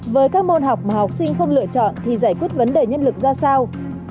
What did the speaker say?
với các môn học mà học sinh không lựa chọn thì giải quyết vấn đề nhân lực ra sao